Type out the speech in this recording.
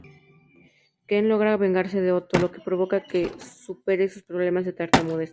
Ken logra vengarse de Otto, lo que provoca que supere sus problemas de tartamudez.